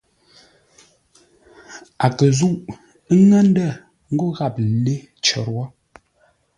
A kə̂ nzúʼ ńŋə́ ndə̂ ńgó gháp lê cər wó.